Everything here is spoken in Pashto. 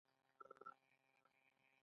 د نارنج دانه د معدې لپاره وکاروئ